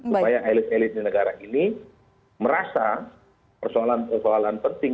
supaya elit elit di negara ini merasa persoalan persoalan penting